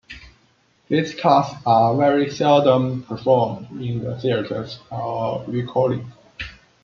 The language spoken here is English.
These cuts are very seldom performed in theatres or recordings.